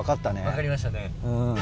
分かりましたね。